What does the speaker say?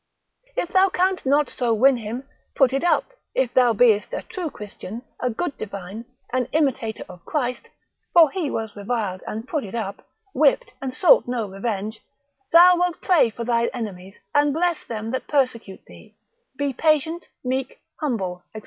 If thou canst not so win him, put it up, if thou beest a true Christian, a good divine, an imitator of Christ, (for he was reviled and put it up, whipped and sought no revenge,) thou wilt pray for thine enemies, and bless them that persecute thee; be patient, meek, humble, &c.